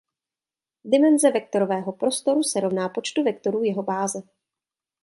Dimenze vektorového prostoru se rovná počtu vektorů jeho báze.